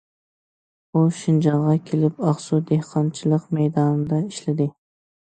ئۇ شىنجاڭغا كېلىپ ئاقسۇ دېھقانچىلىق مەيدانىدا ئىشلىدى.